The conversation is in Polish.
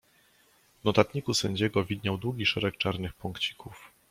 "W notatniku sędziego widniał długi szereg czarnych punkcików."